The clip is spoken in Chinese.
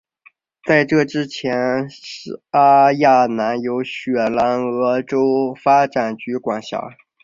在这之前沙亚南由雪兰莪州发展局管辖。